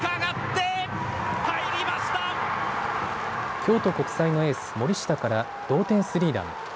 京都国際のエース、森下から同点スリーラン。